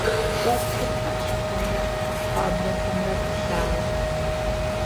Дэпкъым ӏашэхэмрэ пӏуаблэхэмрэ пылъагъэх.